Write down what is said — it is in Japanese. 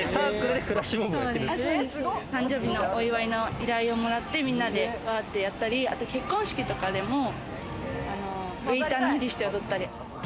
誕生日のお祝いの依頼をもらって、みんなでわ！ってやったり、結婚式とかでも、ウエイターのふりして踊ったり。